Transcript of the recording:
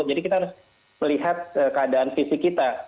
jadi kita harus melihat keadaan fisik kita